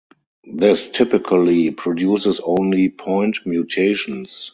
This typically produces only point mutations.